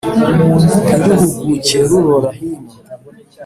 Ntiruhuguke rurora hino,